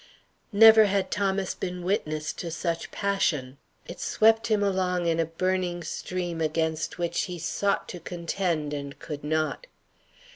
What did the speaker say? _" Never had Thomas been witness to such passion. It swept him along in a burning stream against which he sought to contend and could not.